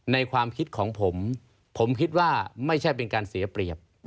ความคิดของผมผมคิดว่าไม่ใช่เป็นการเสียเปรียบ